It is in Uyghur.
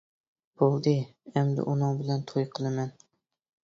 بولدى ئەمدى ئۇنىڭ بىلەن توي قىلىمەن.